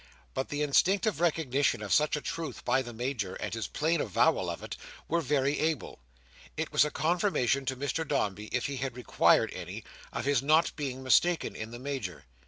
But the instinctive recognition of such a truth by the Major, and his plain avowal of it, were very able. It was a confirmation to Mr Dombey, if he had required any, of his not being mistaken in the Major.